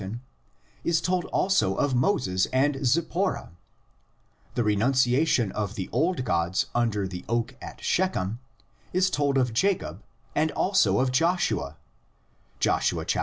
tain is told also of Moses and Zipporah; the renun ciation of the old gods under the oak at Shechem is told of Jacob and also of Joshua (Joshua xxiv.)